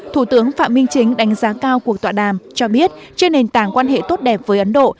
thủ tướng phạm minh chính đánh giá cao cuộc tọa đàm cho biết trên nền tảng quan hệ tốt đẹp với ấn độ